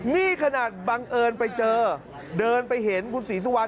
นี่ขนาดบังเอิญไปเจอเดินไปเห็นคุณศรีสุวรร